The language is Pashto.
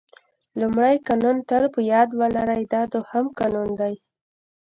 لومړی قانون تل په یاد ولرئ دا دوهم قانون دی.